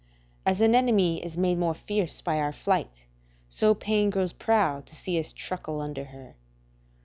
As an enemy is made more fierce by our flight, so pain grows proud to see us truckle under her.